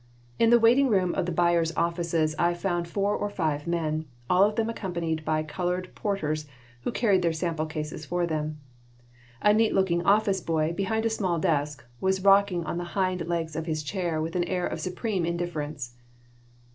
In the waiting room of the buyers' offices I found four or five men, all of them accompanied by colored porters who carried their sample cases for them. A neat looking office boy, behind a small desk, was rocking on the hind legs of his chair with an air of supreme indifference.